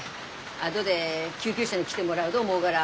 あどで救急車に来てもらうど思うがら。